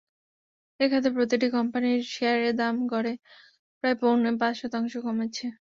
এ খাতের প্রতিটি কোম্পানির শেয়ারের দাম গড়ে প্রায় পৌনে পাঁচ শতাংশ কমেছে।